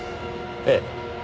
ええ。